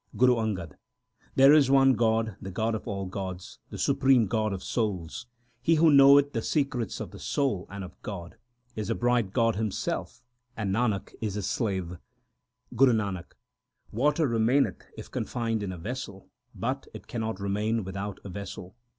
Guru Angad There is one God, the God of all gods, the Supreme God of souls. He who knoweth the secrets of the soul and of God, Is a bright God himself, and Nanak is his slave. Guru Nanak Water remaineth if confined in a vessel ; but it cannot remain without a vessel.